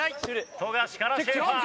富樫からシェーファー。